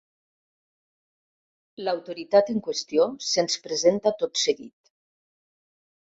L'autoritat en qüestió se'ns presenta tot seguit.